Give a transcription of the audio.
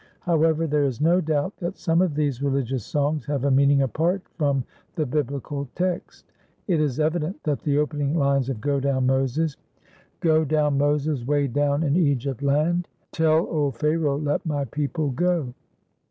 However, there is no doubt that some of these religious songs have a meaning apart from the Biblical text. It is evident that the opening lines of "Go Down, Moses," "Go down, Moses, 'Way down in Egypt land; Tell old Pharoah, Let my people go."